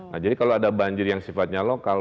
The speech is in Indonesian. nah jadi kalau ada banjir yang sifatnya lokal